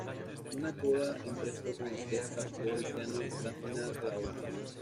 Una coda en presto con orquesta, coro y piano da final a la obra.